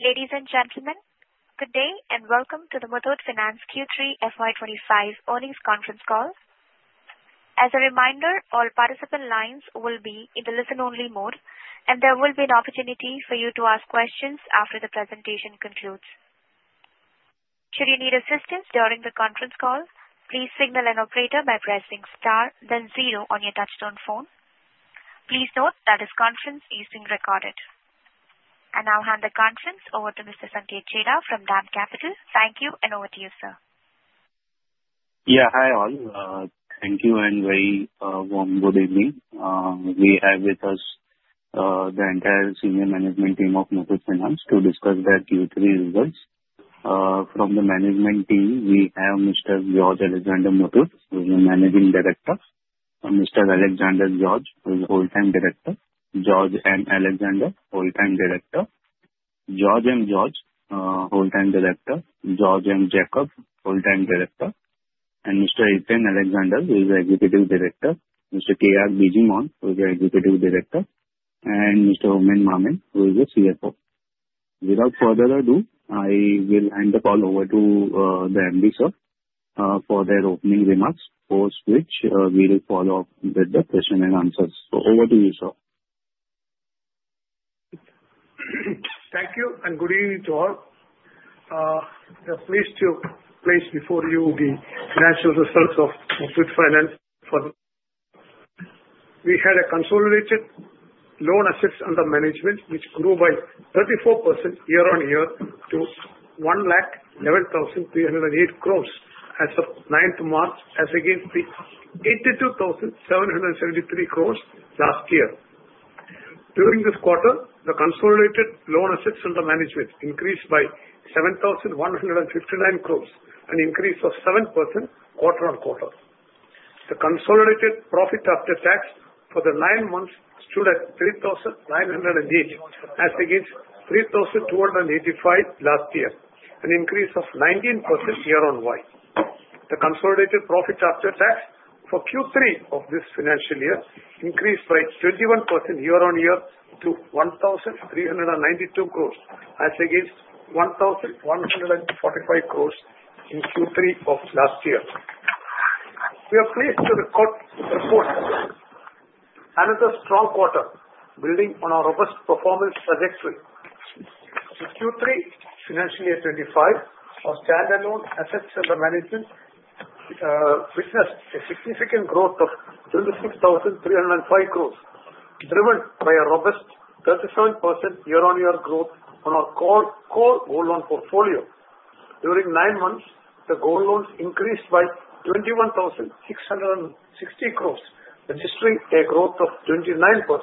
Ladies and gentlemen, good day and welcome to the Muthoot Finance Q3 FY 2025 earnings conference call. As a reminder, all participant lines will be in the listen-only mode, and there will be an opportunity for you to ask questions after the presentation concludes. Should you need assistance during the conference call, please signal an operator by pressing star, then zero on your touch-tone phone. Please note that this conference is being recorded. I'll hand the conference over to Mr. Sanket Chheda from DAM Capital. Thank you, and over to you, sir. Yeah, hi, all. Thank you and very warm good evening. We have with us the entire senior management team of Muthoot Finance to discuss their Q3 results. From the management team, we have Mr. George Alexander Muthoot, who is the Managing Director, Mr. Alexander George, who is the Whole-time Director, George M. Alexander, Whole-time Director, George M. George, Whole-time Director, George M. Jacob, Whole-time Director, and Mr. Eapen Alexander, who is the Executive Director, Mr. K.R. Bijimon, who is the Executive Director, and Mr. Oommen Mammen, who is the CFO. Without further ado, I will hand the call over to the MD sir, for their opening remarks, post which we will follow up with the question and answers. So over to you, sir. Thank you and good evening to all. We are pleased to place before you the financial results of Muthoot Finance. We had a consolidated loan assets under management, which grew by 34% year-on-year to 111,308 crores as of 9th March, as against the 82,773 crores last year. During this quarter, the consolidated loan assets under management increased by 7,159 crores, an increase of 7% quarter-on-quarter. The consolidated profit after tax for the nine months stood at 3,908 crores, as against 3,285 crores last year, an increase of 19% year-on-year. The consolidated profit after tax for Q3 of this financial year increased by 21% year-on-year to 1,392 crores, as against 1,145 crores in Q3 of last year. We are pleased to report another strong quarter, building on our robust performance trajectory. The Q3 financial year 2025, our standalone assets under management witnessed a significant growth of 26,305 crores, driven by a robust 37% year-on-year growth on our core gold loan portfolio. During nine months, the gold loans increased by 21,660 crores, registering a growth of 29%.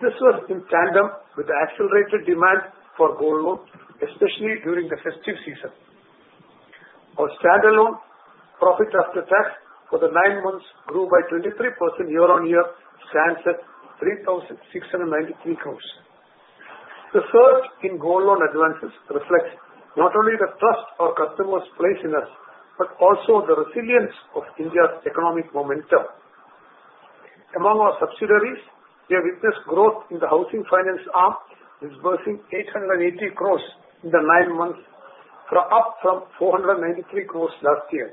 This was in tandem with the accelerated demand for gold loans, especially during the festive season. Our standalone profit after tax for the nine months grew by 23% year-on-year, stands at 3,693 crores. The surge in gold loan advances reflects not only the trust our customers place in us, but also the resilience of India's economic momentum. Among our subsidiaries, we have witnessed growth in the housing finance arm, disbursing 880 crores in the nine months, up from 493 crores last year.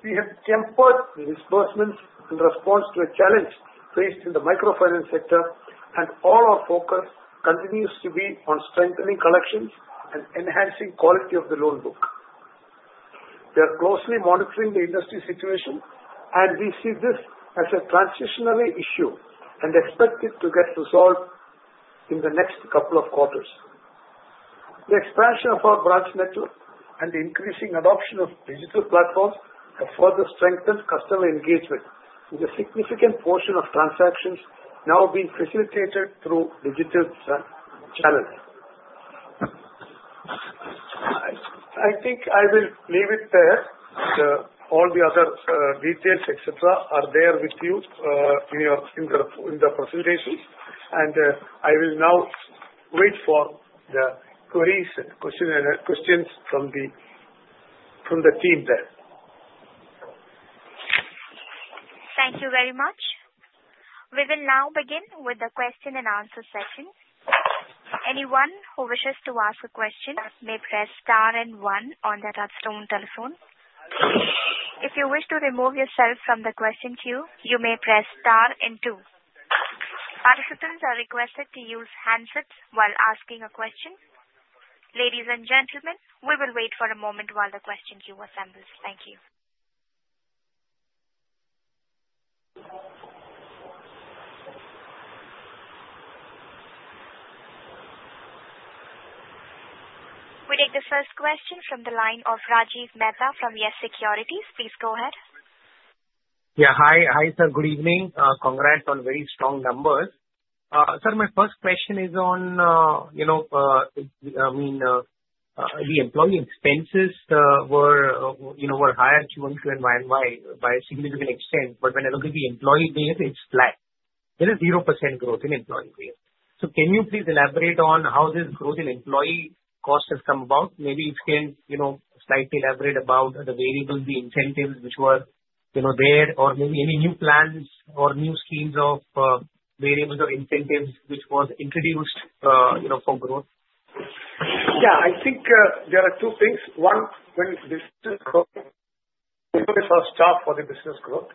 We have tempered disbursements in response to a challenge faced in the microfinance sector, and all our focus continues to be on strengthening collections and enhancing quality of the loan book. We are closely monitoring the industry situation, and we see this as a transitory issue and expect it to get resolved in the next couple of quarters. The expansion of our branch network and the increasing adoption of digital platforms have further strengthened customer engagement, with a significant portion of transactions now being facilitated through digital channels. I think I will leave it there. All the other details, etc., are there with you in the presentations, and I will now wait for the queries and questions from the team there. Thank you very much. We will now begin with the question-and-answer session. Anyone who wishes to ask a question may press star and one on the touch-tone telephone. If you wish to remove yourself from the question queue, you may press star and two. Participants are requested to use handsets while asking a question. Ladies and gentlemen, we will wait for a moment while the question queue assembles. Thank you. We take the first question from the line of Rajiv Mehta from YES SECURITIES. Please go ahead. Yeah, hi. Hi, sir. Good evening. Congrats on very strong numbers. Sir, my first question is on, I mean, the employee expenses were higher Q1, Q2, and Q3 by a significant extent, but when I look at the employee base, it's flat. There is 0% growth in employee base. So can you please elaborate on how this growth in employee cost has come about? Maybe you can slightly elaborate about the variables, the incentives which were there, or maybe any new plans or new schemes of variables or incentives which were introduced for growth? Yeah, I think there are two things. One, when the business growth, we will have a step-up for the business growth.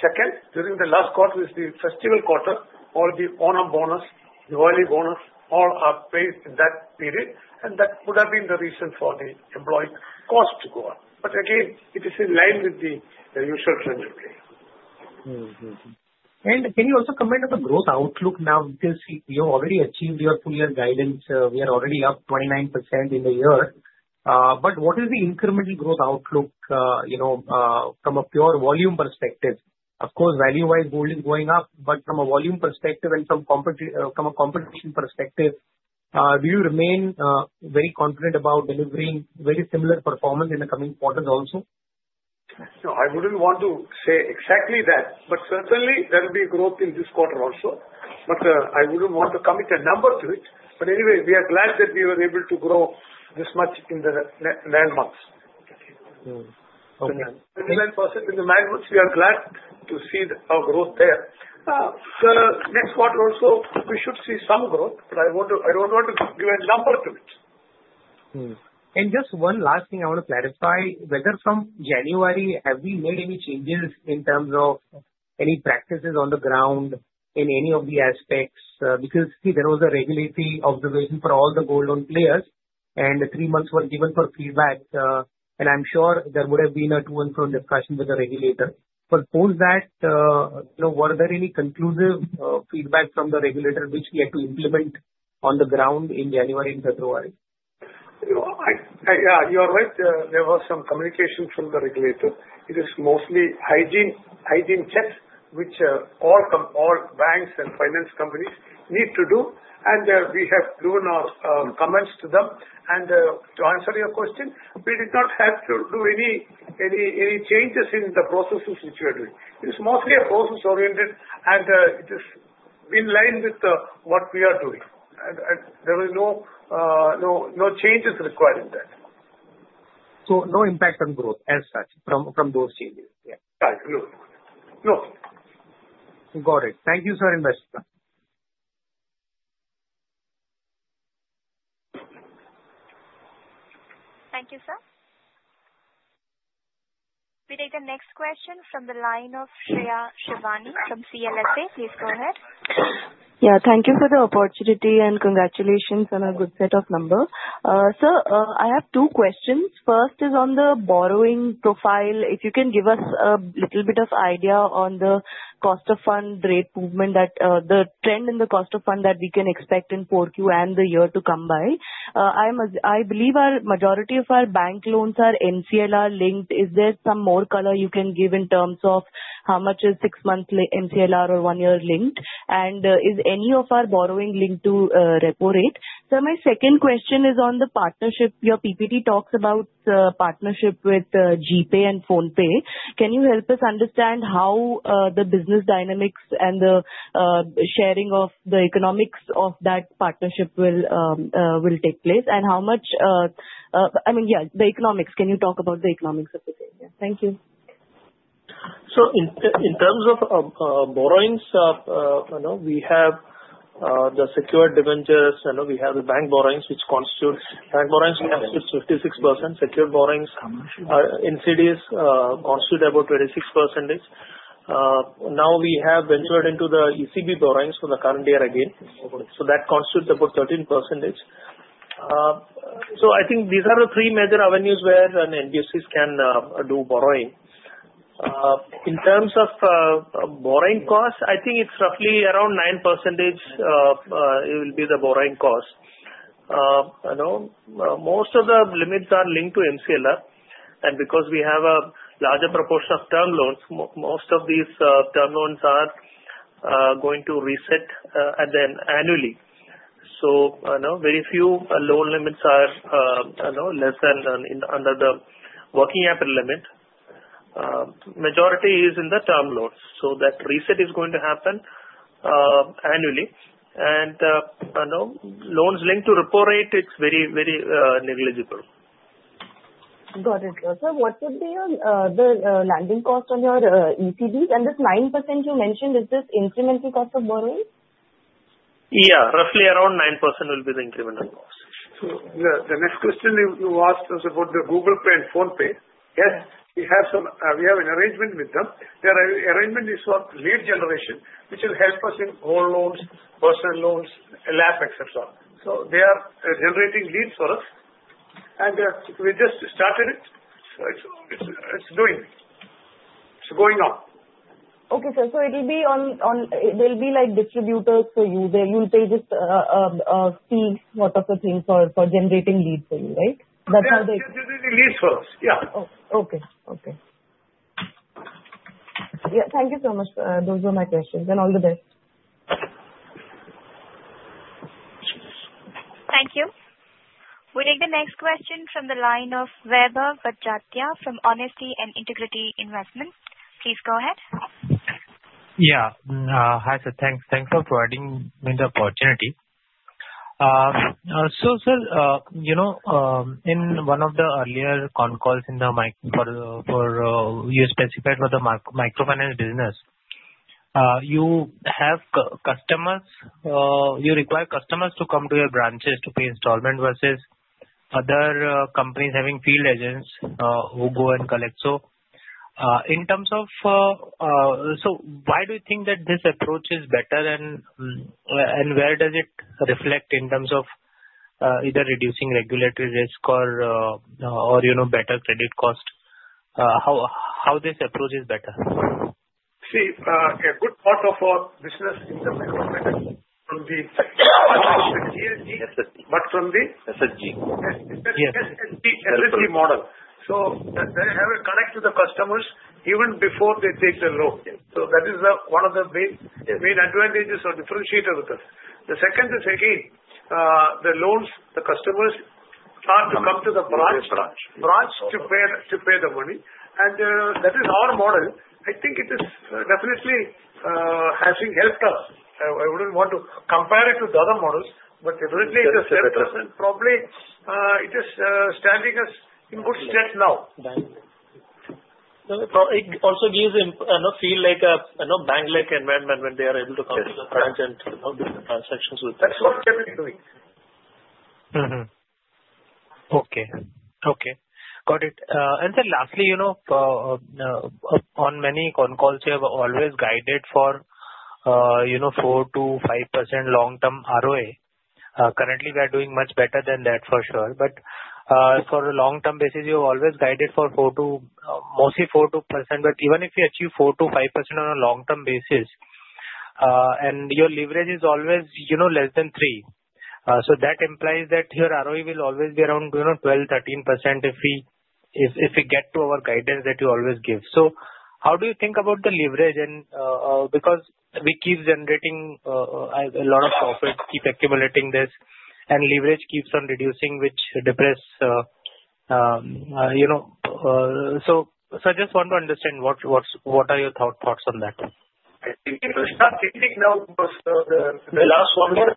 Second, during the last quarter, which is the festive quarter, all the annual bonus, the hourly bonus, all are paid in that period, and that would have been the reason for the employee cost to go up. But again, it is in line with the usual trend, I believe. And can you also comment on the growth outlook now? Because you have already achieved your full-year guidance. We are already up 29% in the year. But what is the incremental growth outlook from a pure volume perspective? Of course, value-wise, gold is going up, but from a volume perspective and from a competition perspective, do you remain very confident about delivering very similar performance in the coming quarters also? I wouldn't want to say exactly that, but certainly, there will be growth in this quarter also. But I wouldn't want to commit a number to it. But anyway, we are glad that we were able to grow this much in the nine months. In the nine months, we are glad to see our growth there. The next quarter also, we should see some growth, but I don't want to give a number to it. And just one last thing I want to clarify. Whether from January, have we made any changes in terms of any practices on the ground in any of the aspects? Because there was a regulatory observation for all the gold loan players, and three months were given for feedback, and I'm sure there would have been a to-and-fro discussion with the regulator. But post that, were there any conclusive feedback from the regulator which we had to implement on the ground in January and February? You are right. There was some communication from the regulator. It is mostly hygiene checks, which all banks and finance companies need to do, and we have given our comments to them. And to answer your question, we did not have to do any changes in the processes which we are doing. It is mostly a process-oriented, and it is in line with what we are doing. And there were no changes required in that. So no impact on growth as such from those changes. Right. No. Got it. Thank you, sir, and best of luck. Thank you, sir. We take the next question from the line of Shreya Shivani from CLSA. Please go ahead. Yeah, thank you for the opportunity, and congratulations on a good set of numbers. Sir, I have two questions. First is on the borrowing profile. If you can give us a little bit of idea on the cost of fund rate movement, the trend in the cost of fund that we can expect in Q4 and the year to come by. I believe a majority of our bank loans are MCLR-linked. Is there some more color you can give in terms of how much is six-month MCLR or one-year linked? And is any of our borrowing linked to repo rate? Sir, my second question is on the partnership. Your PPT talks about partnership with GPay and PhonePe. Can you help us understand how the business dynamics and the sharing of the economics of that partnership will take place? And how much I mean, yeah, the economics. Can you talk about the economics of the thing? Thank you. In terms of borrowings, we have the secured debentures. We have the bank borrowings, which constitute 56%. Secured borrowings, NCDs, constitute about 26%. Now we have ventured into the ECB borrowings for the current year again. So that constitutes about 13%. I think these are the three major avenues where NBFCs can do borrowing. In terms of borrowing cost, I think it's roughly around 9% will be the borrowing cost. Most of the limits are linked to MCLR. Because we have a larger proportion of term loans, most of these term loans are going to reset at the end annually. Very few loan limits are less than under the working capital limit. Majority is in the term loans. That reset is going to happen annually. Loans linked to repo rate, it's very, very negligible. Got it. Sir, what would be the landing cost on your ECBs? And this 9% you mentioned, is this incremental cost of borrowing? Yeah, roughly around 9% will be the incremental cost. The next question you asked was about the Google Pay and PhonePe. Yes, we have an arrangement with them. Their arrangement is for lead generation, which will help us in gold loans, personal loans, LAP, etc. So they are generating leads for us, and we just started it. So it's going on. Okay, sir. So it will be only they'll be like distributors for you. You'll pay just fees, whatever things, for generating leads for you, right? That's how they. They're generating leads for us. Yeah. Okay. Okay. Yeah, thank you so much. Those were my questions. And all the best. Thank you. We take the next question from the line of Vaibhav Badjatya from Honesty and Integrity Investment. Please go ahead. Yeah. Hi, sir. Thanks for providing me the opportunity. So, sir, in one of the earlier con calls, you specified for the microfinance business, you have customers you require to come to your branches to pay installment versus other companies having field agents who go and collect. So in terms of why do you think that this approach is better, and where does it reflect in terms of either reducing regulatory risk or better credit cost? How this approach is better? See, a good part of our business in the but from the... SHG. SHG model. So they have a connect to the customers even before they take the loan. So that is one of the main advantages or differentiator with us. The second is, again, the loans, the customers start to come to the branch to pay the money. And that is our model. I think it is definitely having helped us. I wouldn't want to compare it to the other models, but definitely it has helped us, and probably it is standing us in good stead now. So it also gives a feel like a bank-like environment when they are able to come to the branch and do the transactions with them. That's what we're doing. Okay. Okay. Got it. And then lastly, on many con calls, you have always guided for 4%-5% long-term ROA. Currently, we are doing much better than that, for sure. But for a long-term basis, you have always guided for mostly 4%. But even if you achieve 4%-5% on a long-term basis, and your leverage is always less than three, so that implies that your ROE will always be around 12%-13% if we get to our guidance that you always give. So how do you think about the leverage? Because we keep generating a lot of profit, keep accumulating this, and leverage keeps on reducing, which depresses. So I just want to understand what are your thoughts on that? The last one year,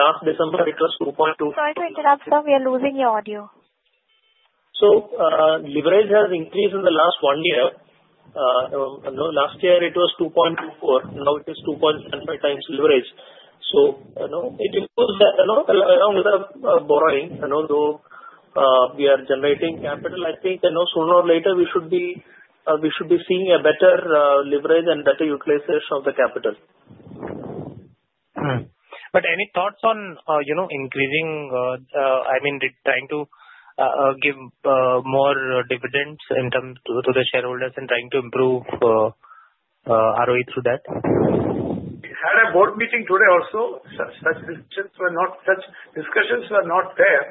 last December, it was 2.2. Sorry to interrupt, sir. We are losing your audio. So leverage has increased in the last one year. Last year, it was 2.24. Now it is 2.75 times leverage. So it improves along with the borrowing. Though we are generating capital, I think sooner or later, we should be seeing a better leverage and better utilization of the capital. But any thoughts on increasing, I mean, trying to give more dividends to the shareholders and trying to improve ROE through that? We had a board meeting today also. Such discussions were not there.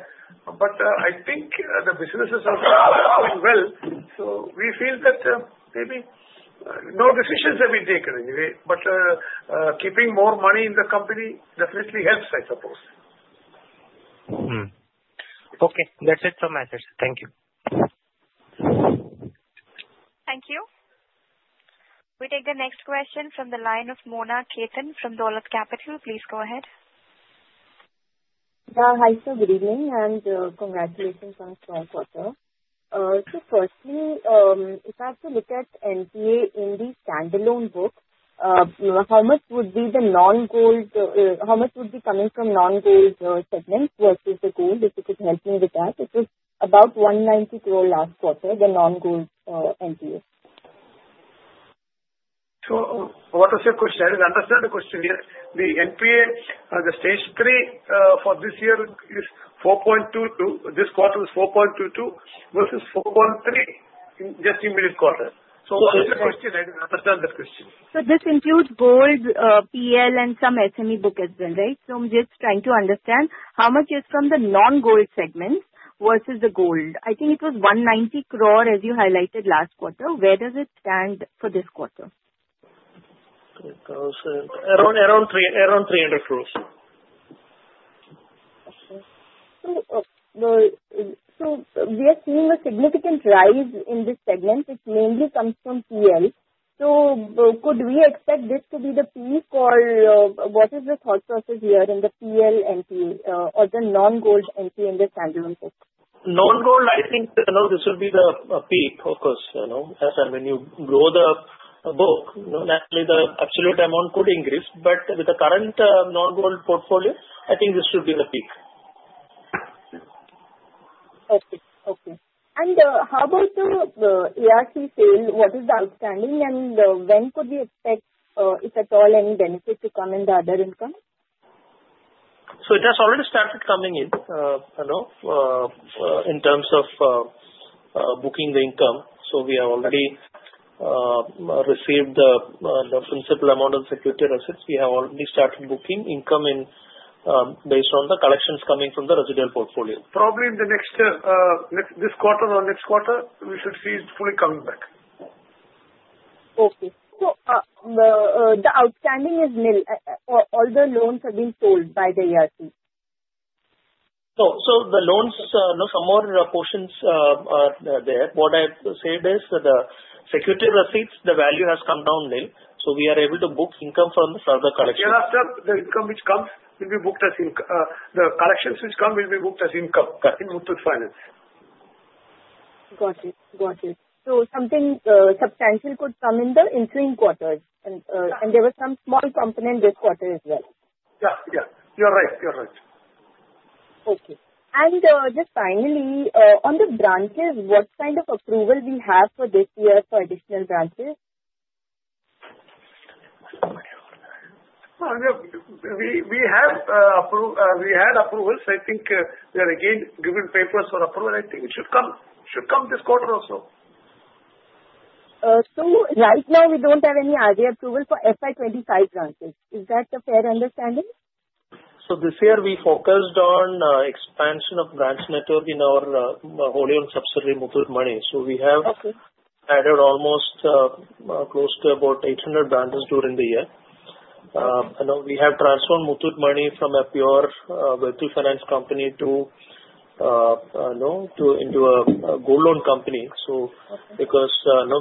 But I think the businesses are doing well. So we feel that maybe no decisions have been taken anyway. But keeping more money in the company definitely helps, I suppose. Okay. That's it from my side. Thank you. Thank you. We take the next question from the line of Mona Khetan from Dolat Capital. Please go ahead. Yeah, hi, sir. Good evening, and congratulations on Q2. So firstly, if I have to look at NPA in the standalone book, how much would be the non-gold, how much would be coming from non-gold segments versus the gold? If you could help me with that. It was about 190 crore last quarter, the non-gold NPA. So what was your question? I didn't understand the question here. The NPA, the stage 3 for this year is 4.22%. This quarter was 4.22% versus 4.3% just in the middle quarter. So what is the question? I didn't understand the question. So this includes gold, PL, and some SME book as well, right? So I'm just trying to understand how much is from the non-gold segments versus the gold. I think it was 190 crores, as you highlighted last quarter. Where does it stand for this quarter? Around INR 300 crores. Okay. So, we are seeing a significant rise in this segment. It mainly comes from PL. So, could we expect this to be the peak? Or what is the thought process here in the PL NPA or the non-gold NPA in the standalone book? Non-gold, I think this will be the peak, of course. As when you grow the book, naturally, the absolute amount could increase. But with the current non-gold portfolio, I think this should be the peak. Okay. And how about the ARC sale? What is the outstanding? And when could we expect, if at all, any benefit to come in the other income? It has already started coming in terms of booking the income. We have already received the principal amount of the security receipts. We have already started booking income based on the collections coming from the residual portfolio. Probably in the next quarter, we should see it fully coming back. The outstanding is nil. All the loans have been sold by the ARC? No. So the loans, some more portions are there. What I've said is the security receipts, the value has come down nil. So we are able to book income from the collections. Hereafter the collections which comes will be booked as income in Muthoot Finance. Got it. Got it. So something substantial could come in the interim quarters. And there was some small component this quarter as well. Yeah. Yeah. You are right. You are right. Okay. And just finally, on the branches, what kind of approval do we have for this year for additional branches? We had approvals. I think they are again given papers for approval. I think it should come this quarter also. So right now, we don't have any RBI approval for FY 2025 branches. Is that a fair understanding? So this year, we focused on expansion of branch network in our wholly-owned subsidiary Muthoot Money. So we have added almost close to about 800 branches during the year. We have transformed Muthoot Money from a pure vehicle finance company into a gold loan company. So because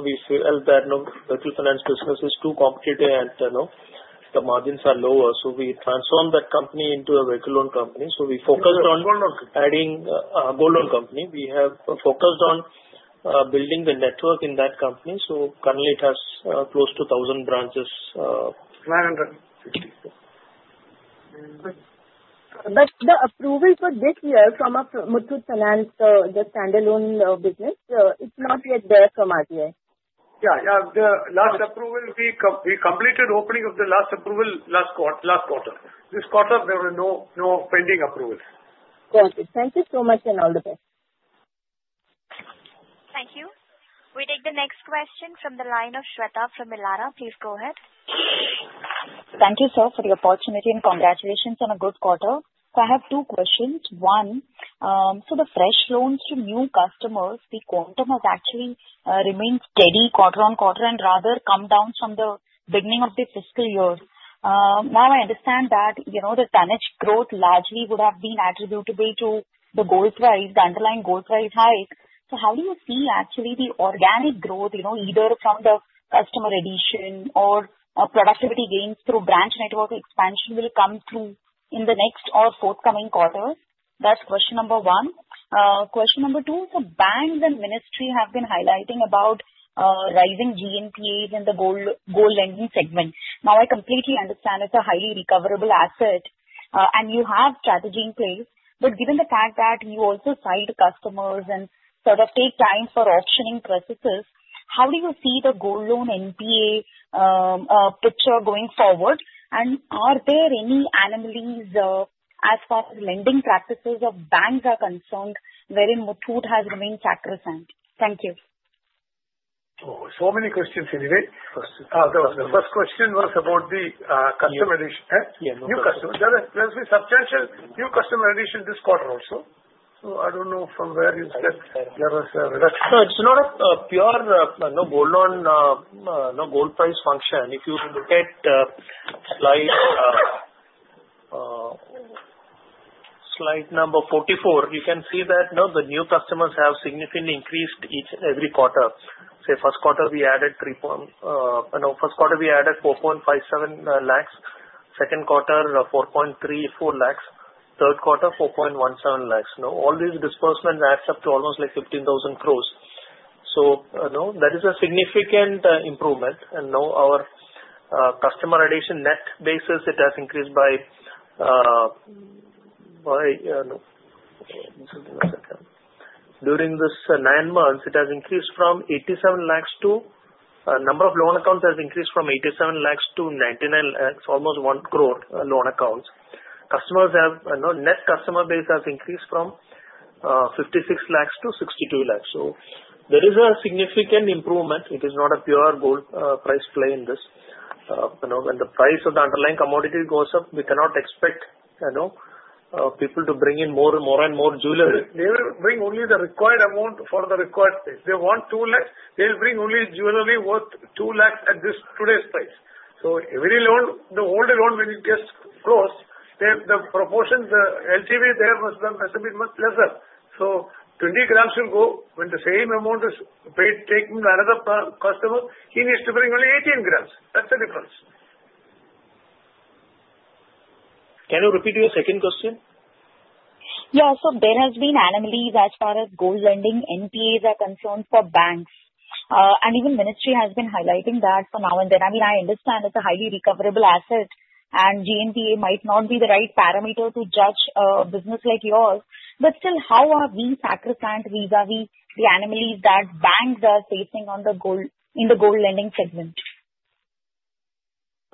we felt that vehicle finance business is too competitive and the margins are lower, so we transformed that company into a gold loan company. So we focused on building the network in that company. So currently, it has close to 1,000 branches. 950. But the approval for this year from Muthoot Finance, the standalone business, it's not yet there from RBI. Last approval, we completed opening of the last approval last quarter. This quarter, there were no pending approvals. Got it. Thank you so much, and all the best. Thank you. We take the next question from the line of Shweta from Elara. Please go ahead. Thank you, sir, for the opportunity and congratulations on a good quarter. So I have two questions. One, for the fresh loans to new customers, the quantum has actually remained steady quarter on quarter and rather come down from the beginning of the fiscal year. Now I understand that the financial growth largely would have been attributable to the gold price, the underlying gold price hike. So how do you see actually the organic growth, either from the customer addition or productivity gains through branch network expansion will come through in the next or forthcoming quarter? That's question number one. Question number two, so banks and Ministry have been highlighting about rising GNPAs in the gold lending segment. Now I completely understand it's a highly recoverable asset, and you have strategy in place. But given the fact that you also acquire customers and sort of take time for auctioning processes, how do you see the gold loan NPA picture going forward? And are there any anomalies as far as lending practices of banks are concerned wherein Muthoot has remained sacrosanct? Thank you. Oh, so many questions anyway. The first question was about the customer addition. Yeah. New customers. There has been substantial new customer addition this quarter also. So I don't know from where you said there was a reduction. So it's not a pure gold price function. If you look at slide number 44, you can see that the new customers have significantly increased every quarter. Q1, we added 4.57 lakhs. Q2, 4.34 lakhs. Q3, 4.17 lakhs. All these disbursements adds up to almost like 15,000 crores. So that is a significant improvement. And now our customer addition net basis, it has increased by during these nine months, it has increased from 87 lakhs to number of loan accounts has increased from 87 lakhs-99 lakhs, almost 1 crore loan accounts. Customers have net customer base has increased from 56 lakhs-62 lakhs. So there is a significant improvement. It is not a pure gold price play in this. When the price of the underlying commodity goes up, we cannot expect people to bring in more and more jewelry. They will bring only the required amount for the required space. They want 2 lakhs. They will bring only jewelry worth 2 lakhs at today's price. So every loan, the older loan when it gets closed, the proportion, the LTV there must have been much lesser. So 20 grams will go when the same amount is repaid taken by another customer, he needs to bring only 18 grams. That's the difference. Can you repeat your second question? Yeah. So there has been anomalies as far as gold lending NPAs are concerned for banks. And even ministry has been highlighting that for now and then. I mean, I understand it's a highly recoverable asset, and GNPA might not be the right parameter to judge a business like yours. But still, how are we sacrosanct vis-à-vis the anomalies that banks are facing in the gold lending segment?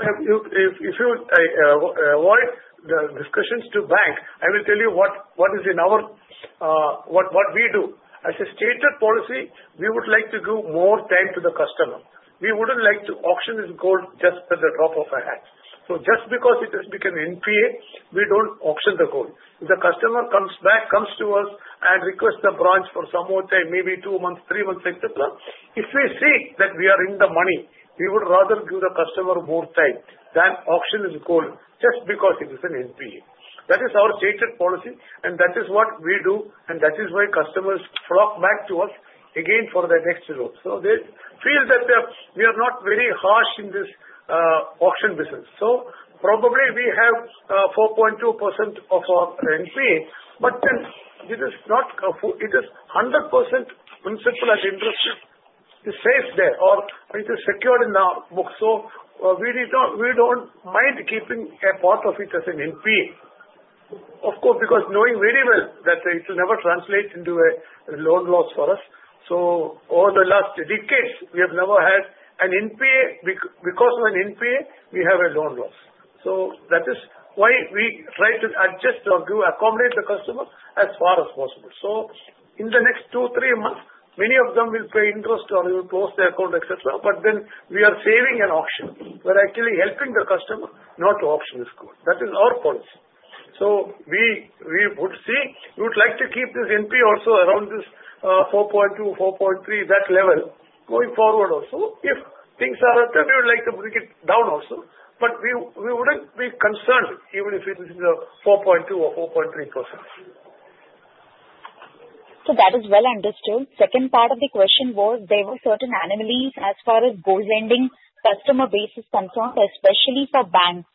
If you avoid the discussions with banks, I will tell you what is in our, what we do. As a stated policy, we would like to give more time to the customer. We wouldn't like to auction this gold just at the drop of a hat. So just because it has become NPA, we don't auction the gold. If the customer comes back, comes to us, and requests the branch for some more time, maybe two months, three months, etc., if we see that we are in the money, we would rather give the customer more time than auction this gold just because it is an NPA. That is our stated policy, and that is what we do, and that is why customers flock back to us again for the next loan. So they feel that we are not very harsh in this auction business. So probably we have 4.2% of our NPA, but then it is not. It is 100% principal and interest is safe there or it is secured in the book. So we don't mind keeping a part of it as an NPA. Of course, because knowing very well that it will never translate into a loan loss for us. So over the last decades, we have never had an NPA. Because of an NPA, we have a loan loss. So that is why we try to adjust or accommodate the customer as far as possible. So in the next two, three months, many of them will pay interest or will close their account, etc., but then we are saving an auction. We are actually helping the customer not to auction this gold. That is our policy. So we would see. We would like to keep this NPA also around this 4.2%-4.3%, that level going forward also. If things are at that, we would like to bring it down also. But we wouldn't be concerned even if it is 4.2% or 4.3%. So that is well understood. Second part of the question was there were certain anomalies as far as gold lending customer bases concerned, especially for banks.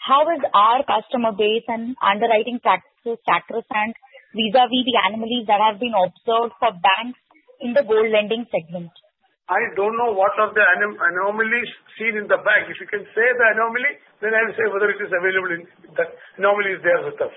How is our customer base and underwriting practices sacrosanct vis-à-vis the anomalies that have been observed for banks in the gold lending segment? I don't know what are the anomalies seen in the bank. If you can say the anomaly, then I will say whether the anomaly is there with us.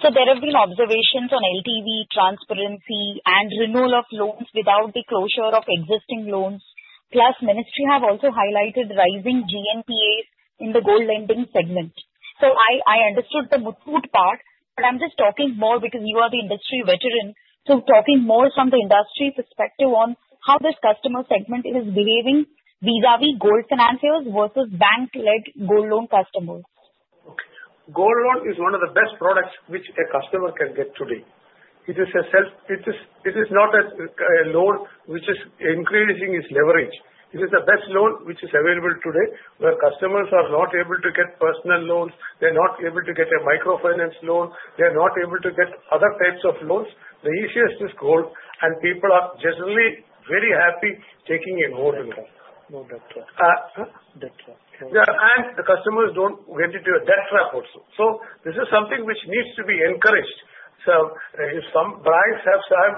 So there have been observations on LTV, transparency, and renewal of loans without the closure of existing loans. Plus, ministry have also highlighted rising GNPAs in the gold lending segment. So I understood the Muthoot part, but I'm just talking more because you are the industry veteran. So talking more from the industry perspective on how this customer segment is behaving vis-à-vis gold financiers versus bank-led gold loan customers. Okay. Gold loan is one of the best products which a customer can get today. It is itself not a loan which is increasing its leverage. It is the best loan which is available today where customers are not able to get personal loans. They're not able to get a microfinance loan. They're not able to get other types of loans. The issue is this gold, and people are generally very happy taking a gold loan. No debt trap. Yeah. And the customers don't get into a debt trap also. So this is something which needs to be encouraged. So some banks have some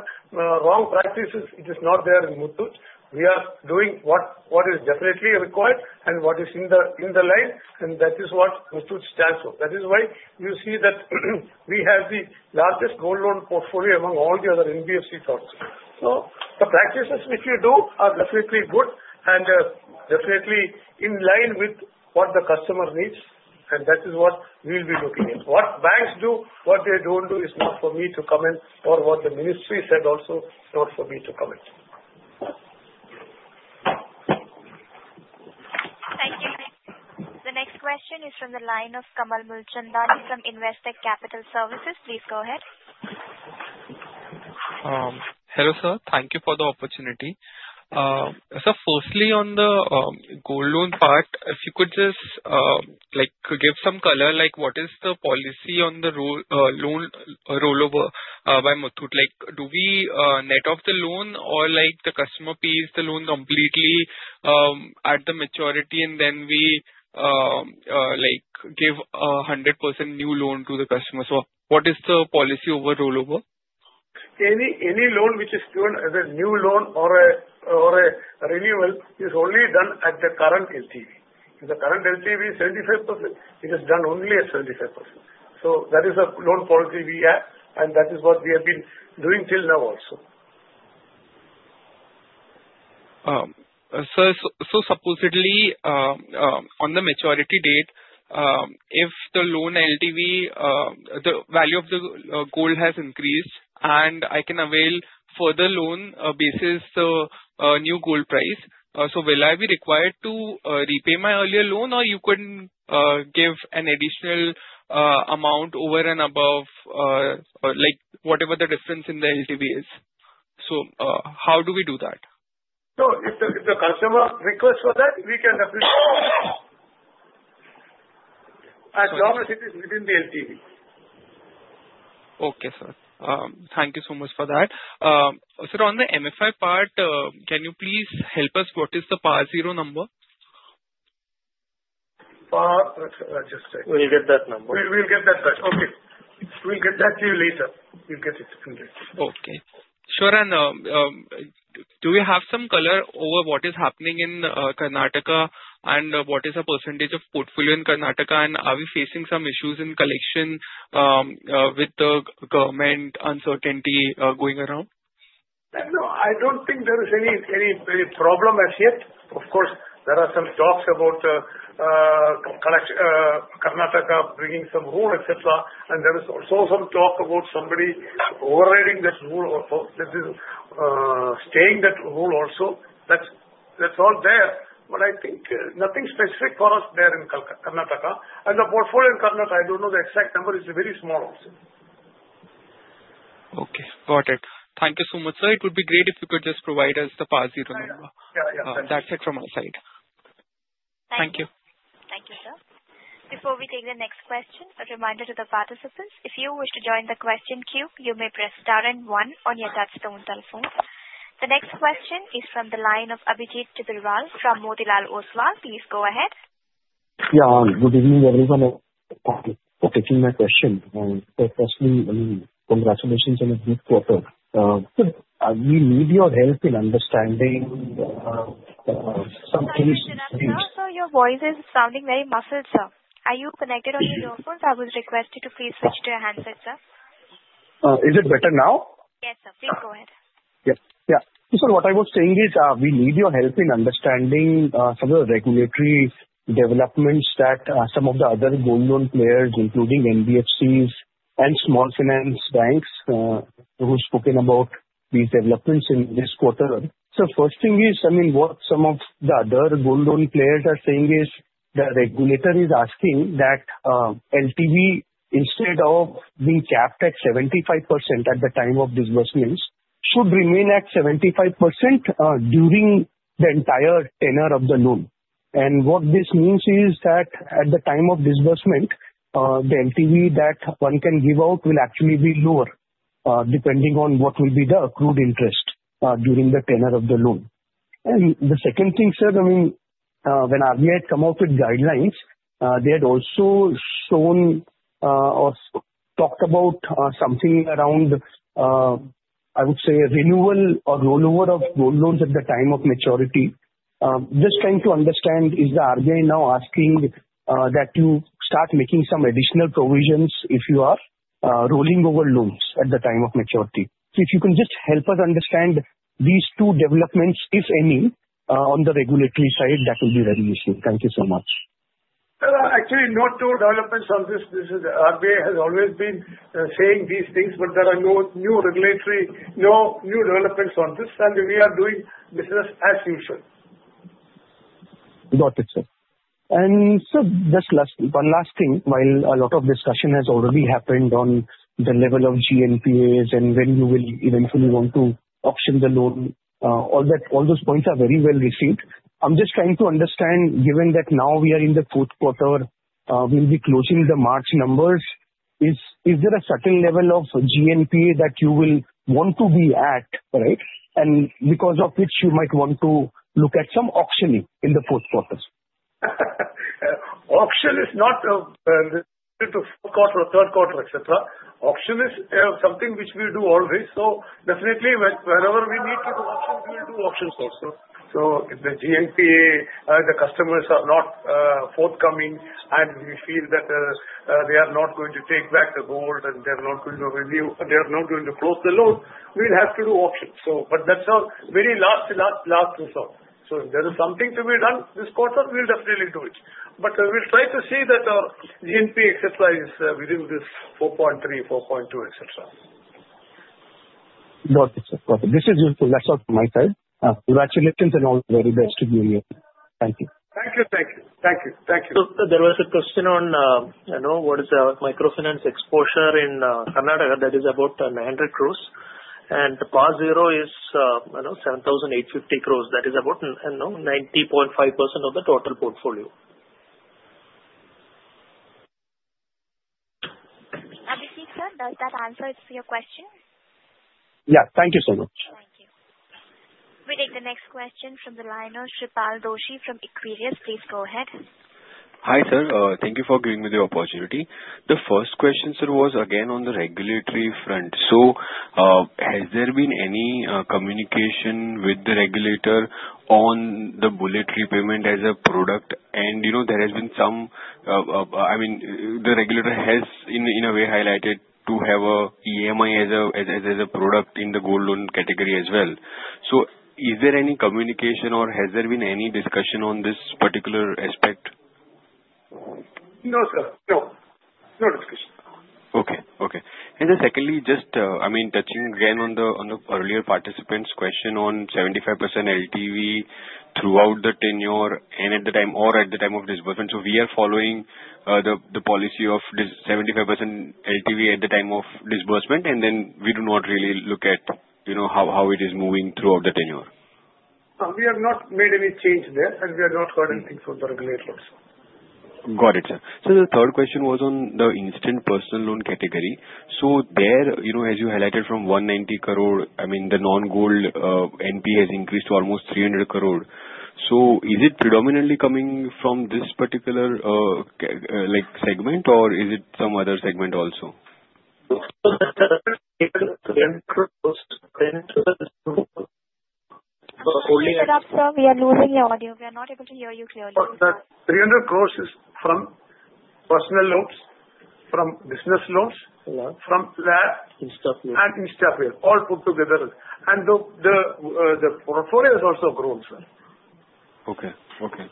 wrong practices, it is not there in Muthoot. We are doing what is definitely required and what is in the line, and that is what Muthoot stands for. That is why you see that we have the largest gold loan portfolio among all the other NBFCs. So the practices which we do are definitely good and definitely in line with what the customer needs, and that is what we'll be looking at. What banks do, what they don't do is not for me to comment, or what the ministry said also is not for me to comment. Thank you. The next question is from the line of Kamal Mulchandani from Investec Capital Services. Please go ahead. Hello sir. Thank you for the opportunity. So firstly on the gold loan part, if you could just give some color, what is the policy on the loan rollover by Muthoot? Do we net off the loan or the customer pays the loan completely at the maturity, and then we give 100% new loan to the customer? So what is the policy over rollover? Any loan which is given as a new loan or a renewal is only done at the current LTV. The current LTV is 75%. It is done only at 75%. So that is the loan policy we have, and that is what we have been doing till now also. So supposedly on the maturity date, if the loan LTV, the value of the gold has increased and I can avail further loan basis to new gold price, so will I be required to repay my earlier loan, or you couldn't give an additional amount over and above whatever the difference in the LTV is? So how do we do that? So if the customer requests for that, we can as long as it is within the LTV. Okay sir. Thank you so much for that. So on the MFI part, can you please help us? What is the PAR Zero number? PAR? Just a second. We'll get that number. We'll get that back. Okay. We'll get that to you later. You'll get it. Okay. Sir, do we have some color over what is happening in Karnataka and what is the percentage of portfolio in Karnataka, and are we facing some issues in collection with the government uncertainty going around? No, I don't think there is any problem as yet. Of course, there are some talks about Karnataka bringing some gold, etc., and there is also some talk about somebody overriding that gold or staying that gold also. That's all there. But I think nothing specific for us there in Karnataka, and the portfolio in Karnataka, I don't know the exact number. It's very small also. Okay. Got it. Thank you so much, sir. It would be great if you could just provide us the PAR 0 number. Yeah. Yeah. Yeah. Thank you. That's it from my side. Thank you. Thank you, sir. Before we take the next question, a reminder to the participants, if you wish to join the question queue, you may press star and one on your touch-tone telephone. The next question is from the line of Abhijit Tibrewal from Motilal Oswal. Please go ahead. Yeah. Good evening, everyone. Thank you for taking my question. Firstly, congratulations on a good quarter. We need your help in understanding some things. Sir, your voice is sounding very muffled. Are you connected on your earphones? I would request you to please switch to your handset, sir. Is it better now? Yes, sir. Please go ahead. Yes. Yeah. So what I was saying is we need your help in understanding some of the regulatory developments that some of the other gold loan players, including NBFCs and small finance banks, who's spoken about these developments in this quarter. So first thing is, I mean, what some of the other gold loan players are saying is the regulator is asking that LTV, instead of being capped at 75% at the time of disbursements, should remain at 75% during the entire tenor of the loan. And what this means is that at the time of disbursement, the LTV that one can give out will actually be lower depending on what will be the accrued interest during the tenor of the loan. The second thing, sir, I mean, when RBI had come out with guidelines, they had also shown or talked about something around, I would say, renewal or rollover of gold loans at the time of maturity. Just trying to understand, is the RBI now asking that you start making some additional provisions if you are rolling over loans at the time of maturity? So if you can just help us understand these two developments, if any, on the regulatory side, that will be very useful. Thank you so much. Actually, no two developments on this. The RBI has always been saying these things, but there are no new regulatory, no new developments on this, and we are doing business as usual. Got it, sir. And so just one last thing, while a lot of discussion has already happened on the level of GNPAs and when you will eventually want to auction the loan, all those points are very well received. I'm just trying to understand, given that now we are in Q4, we'll be closing the March numbers, is there a certain level of GNPA that you will want to be at, right, and because of which you might want to look at some auctioning in Q4? Auction is not related to Q4 or Q3, etc. Auction is something which we do always. So definitely, whenever we need to do auctions, we'll do auctions also. So if the GNPA, the customers are not forthcoming, and we feel that they are not going to take back the gold, and they are not going to renew, they are not going to close the loan, we'll have to do auctions. But that's our very last, last, last resort. So if there is something to be done this quarter, we'll definitely do it. But we'll try to see that our GNPA, etc., is within this 4.3%, 4.2%, etc. Got it, sir. Got it. This is useful. That's all from my side. Congratulations and all the very best to you here. Thank you. Thank you. Thank you. Thank you. Thank you. There was a question on what is the microfinance exposure in Karnataka. That is about 900 crores, and PAR 0 is 7,850 crores. That is about 90.5% of the total portfolio. Abhijit, sir, does that answer your question? Yeah. Thank you so much. Thank you. We take the next question from the line of Shreepal Doshi from Equirus. Please go ahead. Hi sir. Thank you for giving me the opportunity. The first question, sir, was again on the regulatory front. So has there been any communication with the regulator on the bullet repayment as a product? And there has been some, I mean, the regulator has, in a way, highlighted to have an EMI as a product in the gold loan category as well. So is there any communication, or has there been any discussion on this particular aspect? No, sir. No. No discussion. Okay. And then secondly, just, I mean, touching again on the earlier participant's question on 75% LTV throughout the tenure and at the time of disbursement. So we are following the policy of 75% LTV at the time of disbursement, and then we do not really look at how it is moving throughout the tenure. We have not made any change there, and we have not heard anything from the regulator also. Got it, sir. So the third question was on the instant personal loan category. So there, as you highlighted from 190 crore, I mean, the non-gold NP has increased to almost 300 crore. So is it predominantly coming from this particular segment, or is it some other segment also? Sir, we are losing your audio. We are not able to hear you clearly. 300 crores is from personal loans, from business loans, from land, and in-stock loans. All put together. And the portfolio has also grown, sir. Okay.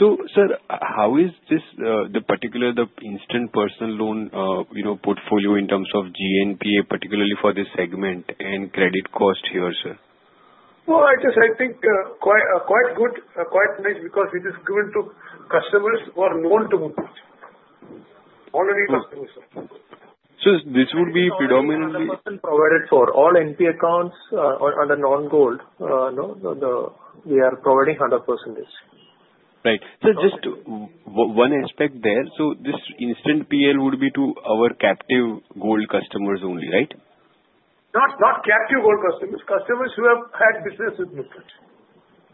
So, sir, how is the particular instant personal loan portfolio in terms of GNPA, particularly for this segment, and credit cost here, sir? I think quite good, quite nice because it is given to customers who are known by Muthoot. Already customers, sir. So this would be predominantly. 100% provided for all NPA accounts under non-gold. We are providing 100%. Right. So just one aspect there. So this instant PL would be to our captive gold customers only, right? Not captive gold customers. Customers who have had business with Muthoot.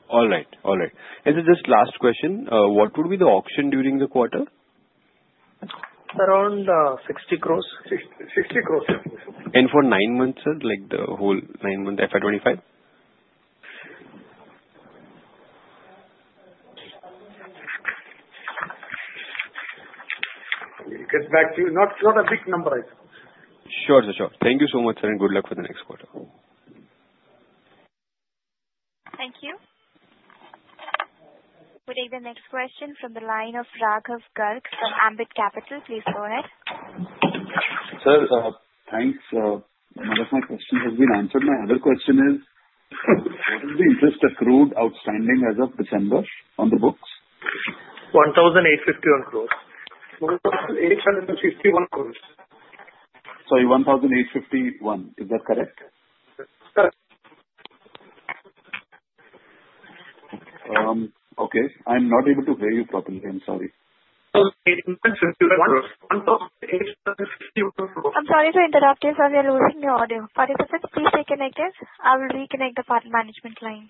All right. All right. And just last question. What would be the auction during the quarter? Around 60 crores. 60 crores. And for nine months, sir? The whole nine month FY 2025? I'll get back to you. Not a big number, I think. Sure, sir. Sure. Thank you so much, sir, and good luck for the next quarter. Thank you. We take the next question from the line of Raghav Garg from Ambit Capital. Please go ahead. Sir, thanks. One of my questions has been answered. My other question is, what is the interest accrued outstanding as of December on the books? 1,851 crores. Sorry, 1,851 crores. Is that correct? Correct. Okay. I'm not able to hear you properly. I'm sorry. I'm sorry to interrupt you, sir. We are losing your audio. Participants, please reconnect us. I will reconnect the management line.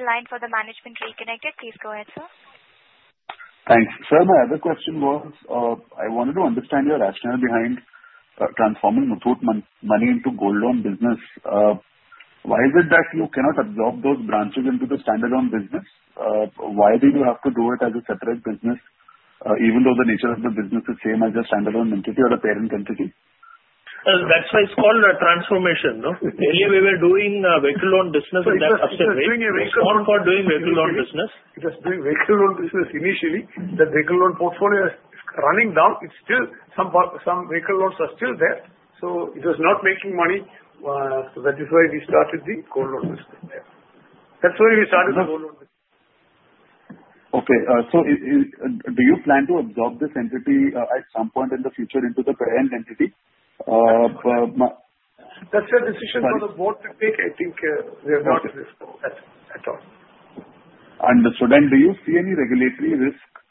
We have the management line reconnected. Please go ahead, sir. Thanks. Sir, my other question was, I wanted to understand your rationale behind transforming Muthoot Money into gold loan business. Why is it that you cannot absorb those branches into the standalone business? Why do you have to do it as a separate business, even though the nature of the business is same as a standalone entity or a parent entity? That's why it's called transformation. Earlier, we were doing vehicle loan business, and that's upside, right? We were doing vehicle loan business. Just doing vehicle loan business initially, that vehicle loan portfolio is running down. It's still some vehicle loans are still there. So it was not making money. So that is why we started the gold loan business. That's why we started the gold loan business. Okay, so do you plan to absorb this entity at some point in the future into the parent entity? That's a decision for the board to take. I think we are not at all. Understood. And do you see any regulatory risk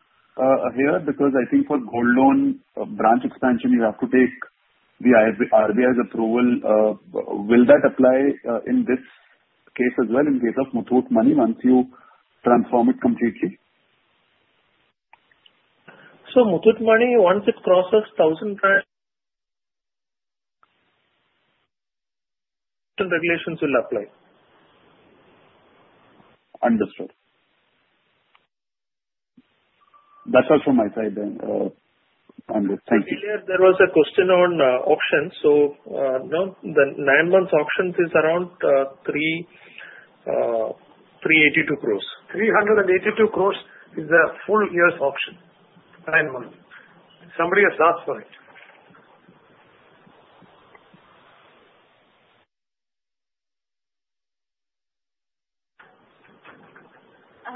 here? Because I think for gold loan branch expansion, you have to take the RBI's approval. Will that apply in this case as well, in case of Muthoot Money once you transform it completely? Muthoot Money, once it crosses 1,000+ regulations will apply. Understood. That's all from my side. Thank you. Earlier, there was a question on auctions. So the nine-month auction is around 382 crores. 382 crores is a full year's auction, nine months. Somebody has asked for it.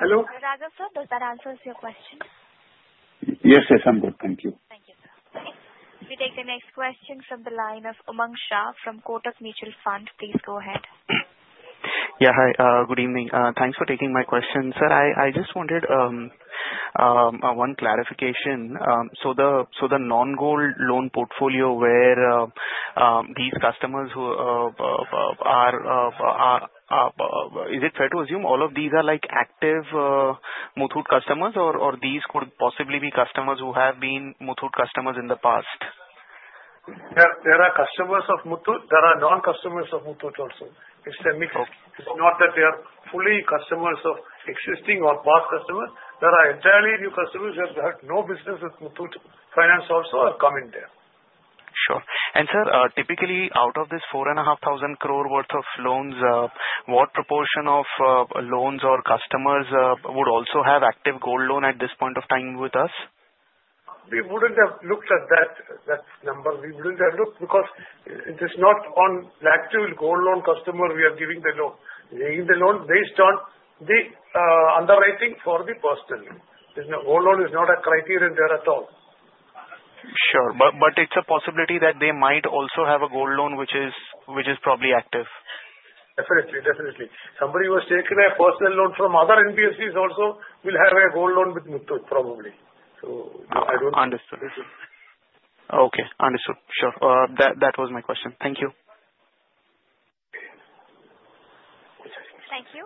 Hello? Raghav sir, does that answer your question? Yes, yes. I'm good. Thank you. Thank you, sir. We take the next question from the line of Umang Shah from Kotak Mutual Fund. Please go ahead. Yeah. Hi. Good evening. Thanks for taking my question. Sir, I just wanted one clarification. So the non-gold loan portfolio where these customers who are is it fair to assume all of these are active Muthoot customers, or these could possibly be customers who have been Muthoot customers in the past? There are customers of Muthoot. There are non-customers of Muthoot also. It's a mix. It's not that they are fully customers of existing or past customers. There are entirely new customers who have had no business with Muthoot Finance also have come in there. Sure. And sir, typically, out of this 4,500 crore worth of loans, what proportion of loans or customers would also have active gold loan at this point of time with us? We wouldn't have looked at that number. We wouldn't have looked because it is not on the active gold loan customer we are giving the loan. We're giving the loan based on the underwriting for the person. The gold loan is not a criterion there at all. Sure. But it's a possibility that they might also have a gold loan which is probably active. Definitely. Definitely. Somebody who has taken a personal loan from other NBFCs also will have a gold loan with Muthoot, probably. So I don't know. Understood. Okay. Understood. Sure. That was my question. Thank you. Thank you.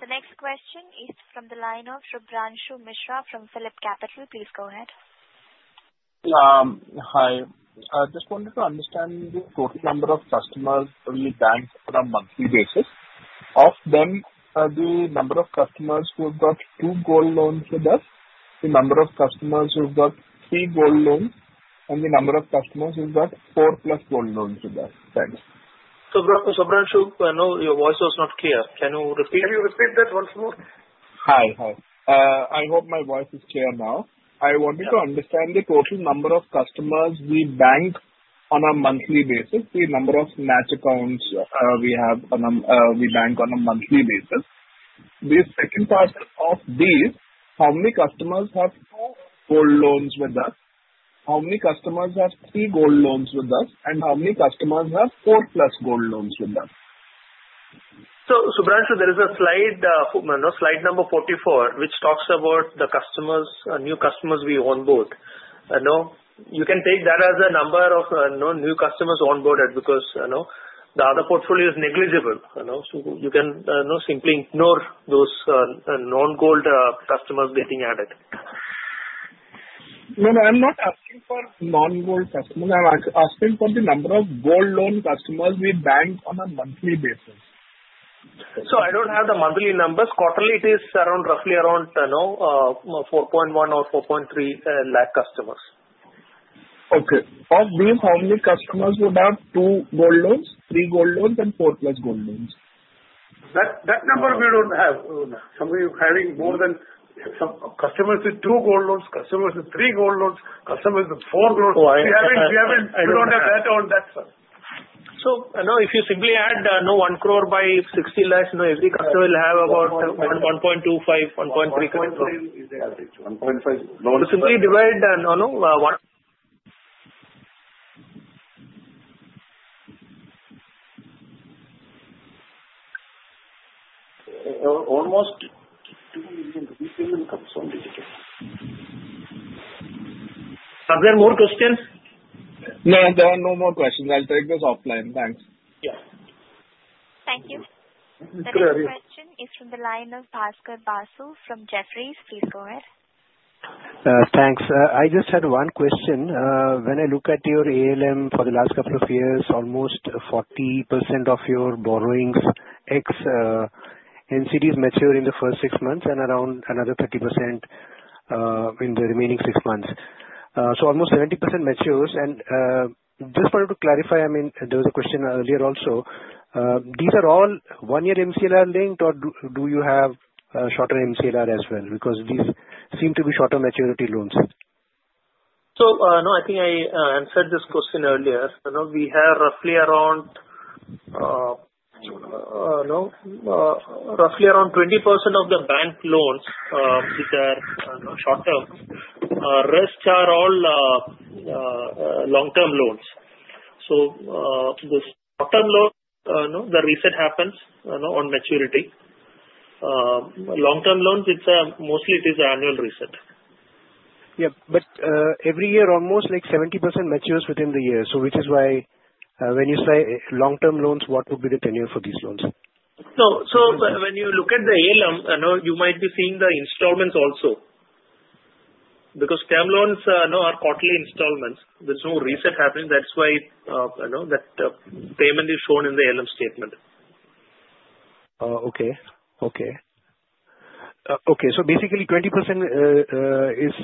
The next question is from the line of Shubhranshu Mishra from PhillipCapital. Please go ahead. Hi. I just wanted to understand the total number of customers we bank on a monthly basis. Of them, the number of customers who have got two gold loans with us, the number of customers who have got three gold loans, and the number of customers who have got four plus gold loans with us. Thanks. Shubhranshu, your voice was not clear. Can you repeat? Can you repeat that once more? Hi. Hi. I hope my voice is clear now. I wanted to understand the total number of customers we bank on a monthly basis, the number of Muthoot accounts we bank on a monthly basis. The second part of these, how many customers have two gold loans with us, how many customers have three gold loans with us, and how many customers have four plus gold loans with us. Shubhranshu, there is a slide, slide number 44, which talks about the new customers we onboard. You can take that as a number of new customers onboarded because the other portfolio is negligible. So you can simply ignore those non-gold customers getting added. No, no. I'm not asking for non-gold customers. I'm asking for the number of gold loan customers we bank on a monthly basis. I don't have the monthly numbers. Quarterly, it is roughly around 4.1 lakh-4.3 lakh customers. Okay. Of these, how many customers would have two gold loans, three gold loans, and four plus gold loans? That number we don't have. Somebody having more than customers with two gold loans, customers with three gold loans, customers with four gold loans. We don't have that on hand, sir. So if you simply add INR 1 crore by INR 60 lakhs, every customer will have about 1.25-1.3. 1.5 is the average. So simply divide one Are there more questions? No, there are no more questions. I'll take this offline. Thanks. Yeah. Thank you. The next question is from the line of Bhaskar Basu from Jefferies. Please go ahead. Thanks. I just had one question. When I look at your ALM for the last couple of years, almost 40% of your borrowings ex NCDs mature in the first six months and around another 30% in the remaining six months. So almost 70% matures. And just wanted to clarify, I mean, there was a question earlier also. These are all one-year MCLR linked, or do you have shorter MCLR as well? Because these seem to be shorter maturity loans. So no, I think I answered this question earlier. We have roughly around 20% of the bank loans that are short-term. The rest are all long-term loans. So the short-term loan, the reset happens on maturity. Long-term loans, mostly it is annual reset. Yeah, but every year, almost 70% matures within the year, so which is why when you say long-term loans, what would be the tenure for these loans? So when you look at the ALM, you might be seeing the installments also. Because term loans are quarterly installments. There's no reset happening. That's why that payment is shown in the ALM statement. Okay, so basically, 20% is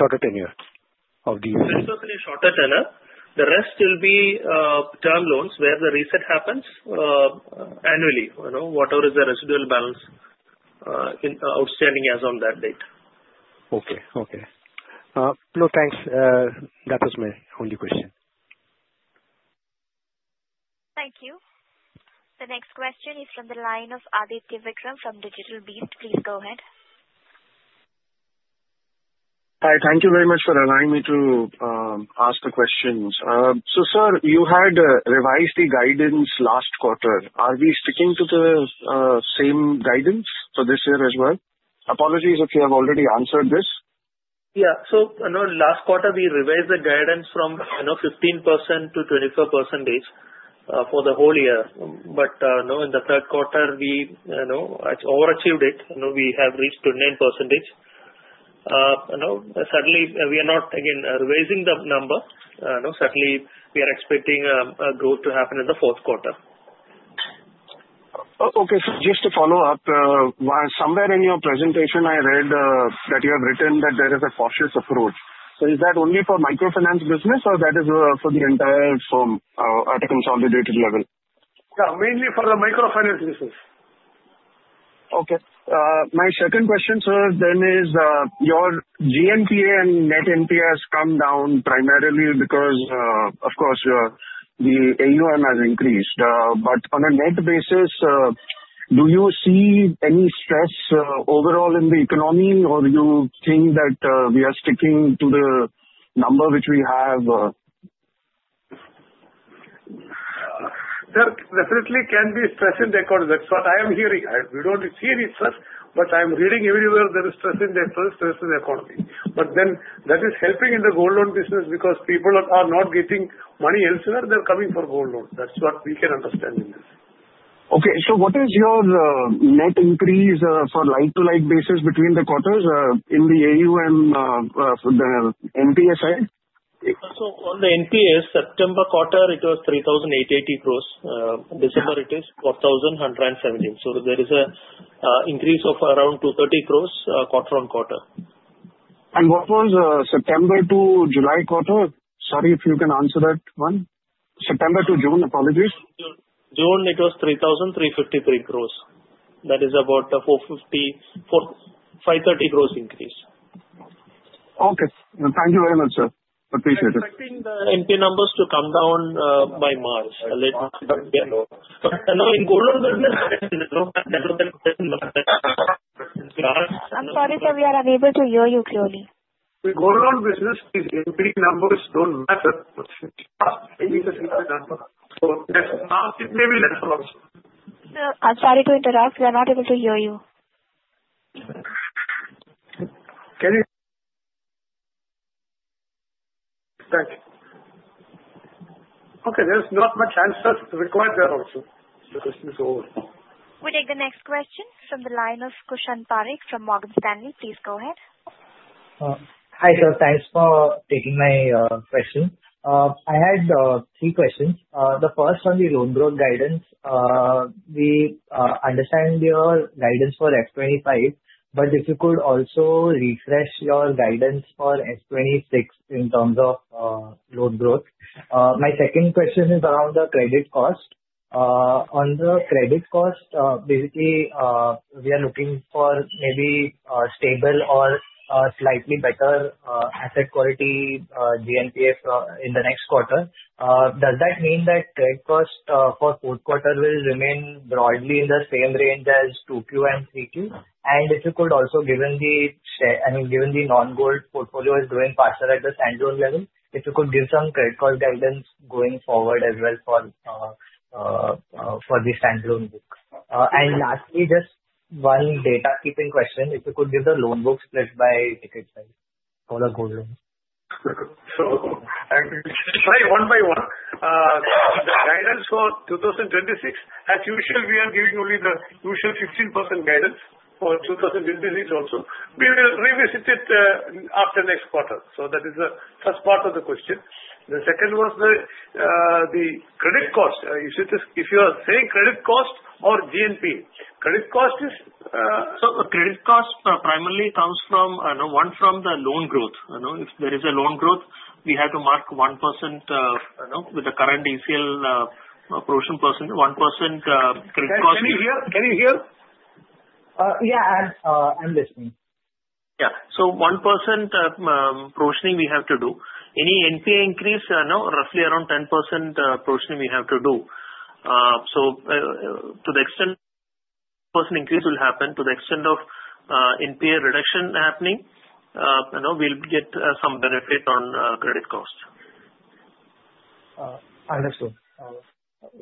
shorter tenure of these. 20% is shorter tenure. The rest will be term loans where the reset happens annually, whatever is the residual balance outstanding as of that date. Okay. Okay. No, thanks. That was my only question. Thank you. The next question is from the line of Aditya Vikram from Digit Insurance. Please go ahead. Hi. Thank you very much for allowing me to ask the questions. So sir, you had revised the guidance last quarter. Are we sticking to the same guidance for this year as well? Apologies if you have already answered this. Yeah. So last quarter, we revised the guidance from 15%-24% for the whole year. But in the Q3, we overachieved it. We have reached 29%. Suddenly, we are not, again, revising the number. Suddenly, we are expecting a growth to happen in the Q4. Okay. So just to follow up, somewhere in your presentation, I read that you have written that there is a cautious approach. So is that only for microfinance business, or that is for the entire firm at a consolidated level? Yeah. Mainly for the microfinance business. Okay. My second question, sir, then is your GNPA and net NPA come down primarily because, of course, the AUM has increased. But on a net basis, do you see any stress overall in the economy, or do you think that we are sticking to the number which we have? There definitely can be stress in the economy. That's what I am hearing. We don't see it, sir. But I am reading everywhere there is stress in the economy, stress in the economy. But then that is helping in the gold loan business because people are not getting money elsewhere. They're coming for gold loans. That's what we can understand in this. Okay. So what is your net increase for like-for-like basis between the quarters in the AUM, the NPA side? So on the NPA, September quarter, it was 3,088 crores. December, it is 4,117 crores. So there is an increase of around 230 crores quarter-on-quarter. What was September to July quarter? Sorry if you can answer that one. September to June, apologies. June, it was 3,353 crores. That is about a 530 crores increase. Okay. Thank you very much, sir. Appreciate it. We are expecting the NPA numbers to come down by March. In gold loan business, we don't have that many. I'm sorry, sir. We are unable to hear you clearly. In gold loan business, these NPA numbers don't matter. I'm sorry to interrupt. We are not able to hear you. Thank you. Okay. There's not much answer required there also. The question is over. We take the next question from the line of Kushan Parikh from Morgan Stanley. Please go ahead. Hi sir. Thanks for taking my question. I had three questions. The first on the loan growth guidance. We understand your guidance for FY 2025, but if you could also refresh your guidance for FY 2026 in terms of loan growth. My second question is around the credit cost. On the credit cost, basically, we are looking for maybe stable or slightly better asset quality GNPA in the next quarter. Does that mean that credit cost for Q4 will remain broadly in the same range as Q2 and Q3? And if you could also, given the non-gold portfolio is doing faster at the standalone level, if you could give some credit cost guidance going forward as well for the standalone book. And lastly, just one data-keeping question. If you could give the loan book split by ticket size for the gold loan. Sorry, one by one. The guidance for 2026, as usual, we are giving only the usual 15% guidance for 2026 also. We will revisit it after next quarter. So that is the first part of the question. The second was the credit cost. If you are saying credit cost or GNPA, credit cost is. Credit cost primarily comes from the loan growth. If there is a loan growth, we have to mark 1% with the current ECL provision 1% credit cost. Can you hear? Can you hear? Yeah. I'm listening. Yeah. So 1% provisioning we have to do. Any NPA increase, roughly around 10% provisioning we have to do. So to the extent 1% increase will happen, to the extent of NPA reduction happening, we'll get some benefit on credit cost. Understood.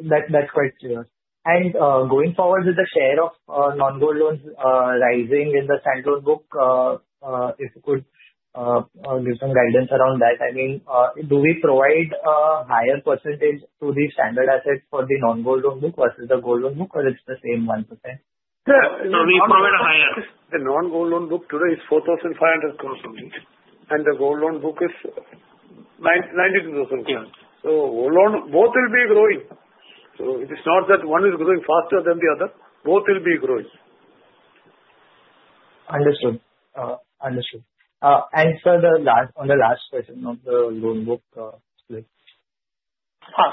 That's quite clear. And going forward with the share of non-gold loans rising in the standalone book, if you could give some guidance around that. I mean, do we provide a higher percentage to the standard assets for the non-gold loan book versus the gold loan book, or it's the same 1%? So we provide a higher. The non-gold loan book today is 4,500 crores only. And the gold loan book is 92,000 crores. So both will be growing. So it is not that one is growing faster than the other. Both will be growing. Understood. Understood. And sir, on the last question of the loan book split.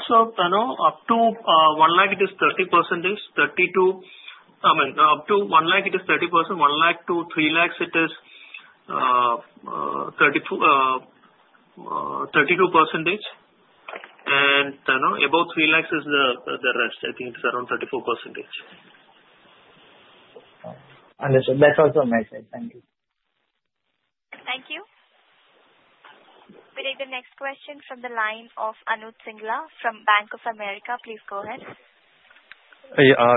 So up to 1 lakh, it is 30%. I mean, up to 1 lakh, it is 30%. 1 lakh-3 lakhs, it is 32%. And above 3 lakhs is the rest. I think it's around 34%. Understood. That's all from my side. Thank you. Thank you. We take the next question from the line of Anuj Singla from Bank of America. Please go ahead.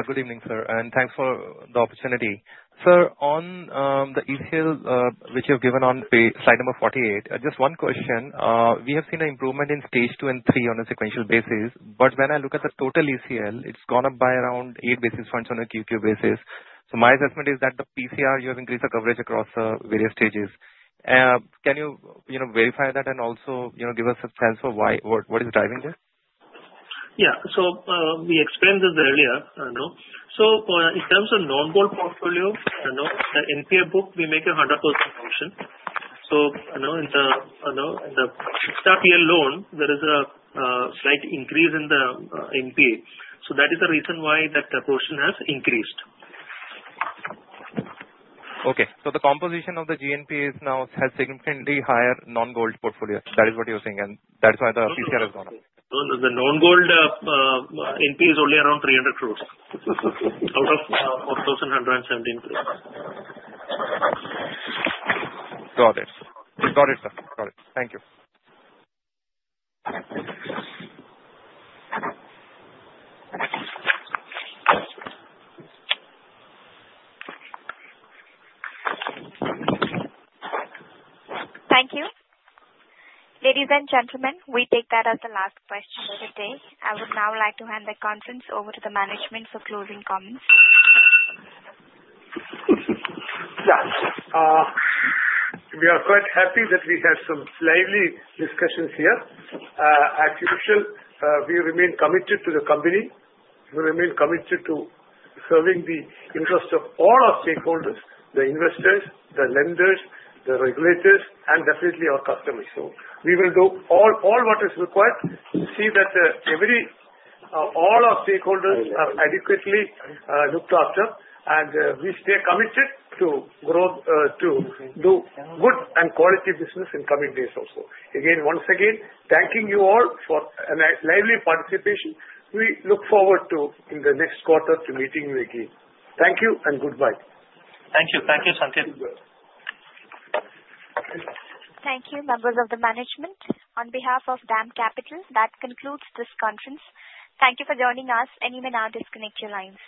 Good evening, sir. And thanks for the opportunity. Sir, on the ECL, which you have given on slide number 48, just one question. We have seen an improvement in stage two and three on a sequential basis. But when I look at the total ECL, it's gone up by around eight basis points on a Q-Q basis. So my assessment is that the PCR, you have increased the coverage across the various stages. Can you verify that and also give us a sense of what is driving this? Yeah. So we explained this earlier. So in terms of non-gold portfolio, the NPA book, we make a 100% provision. So in the secured loan, there is a slight increase in the NPA. So that is the reason why that provision has increased. Okay, so the composition of the GNPAs now has significantly higher non-gold portfolio. That is what you're saying, and that is why the PCR has gone up. The non-gold NPA is only around 300 crores out of 4,117 crores. Got it. Got it, sir. Got it. Thank you. Thank you. Ladies and gentlemen, we take that as the last question for today. I would now like to hand the conference over to the management for closing comments. Yeah. We are quite happy that we had some lively discussions here. As usual, we remain committed to the company. We remain committed to serving the interests of all our stakeholders, the investors, the lenders, the regulators, and definitely our customers. So we will do all what is required to see that all our stakeholders are adequately looked after, and we stay committed to do good and quality business in coming days also. Again, once again, thanking you all for a lively participation. We look forward to, in the next quarter, to meeting you again. Thank you and goodbye. Thank you. Thank you, Sanket. Thank you, members of the management. On behalf of DAM Capital, that concludes this conference. Thank you for joining us, and you may now disconnect your lines.